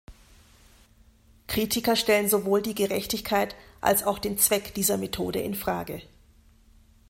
Kritiker stellen sowohl die Gerechtigkeit als auch den Zweck dieser Methode in Frage.